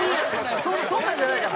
そんなんじゃないから。